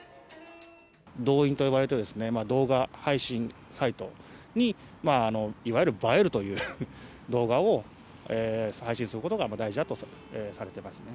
ドウインと呼ばれる動画配信サイトに、いわゆる映えるという動画を、配信することが大事だとされてますね。